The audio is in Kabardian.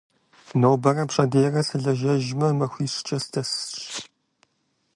Нобэрэ пщэдейрэ сылэжьэжмэ, махуищкӏэ сыдэсщ.